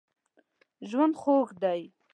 ژوند خوږ دی.